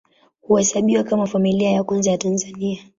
Huhesabiwa kama Familia ya Kwanza ya Tanzania.